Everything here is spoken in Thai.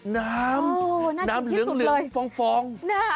น้ำหน้าดินที่สุดเลยน้ำเหลืองฟอง